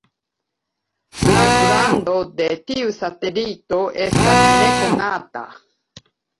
La grando de tiu satelito estas nekonata.